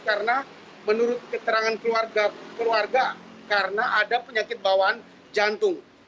karena menurut keterangan keluarga karena ada penyakit bawaan jantung